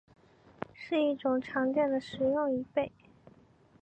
是一种常见的食用贻贝。